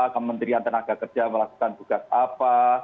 kementerian tenaga kerja melakukan tugas apa